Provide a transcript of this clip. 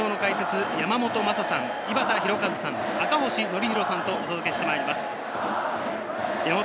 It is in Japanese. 解説は山本昌さん、井端弘和さん、赤星憲広さんとお届けしてまいります。